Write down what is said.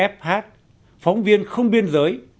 fh phóng viên không biên giới